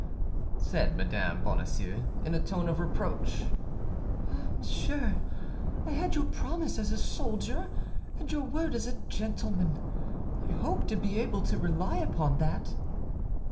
"Ah," said Mme. Bonacieux; in a tone of reproach, "ah, monsieur, I had your promise as a soldier and your word as a gentleman. I hoped to be able to rely upon that."